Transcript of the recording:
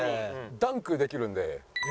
ダンクできるんで。